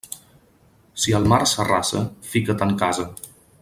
Si el mar s'arrasa, fica't en casa.